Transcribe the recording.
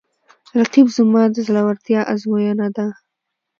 رقیب زما د زړورتیا آزموینه ده